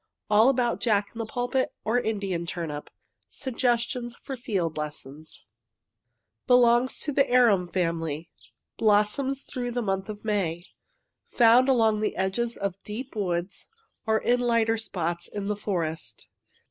ALL ABOUT THE JACK IN THE PULPIT OR INDIAN TURNIP SUGGESTIONS FOR FIELD LESSONS Belongs to arum family. Blossoms through the month of May. Found along the edges of deep woods or in Lighter spots in the forest.